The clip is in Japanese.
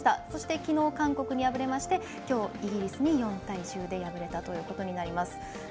そしてきのう韓国に敗れましてきょう、イギリスに４対１０で敗れたということになります。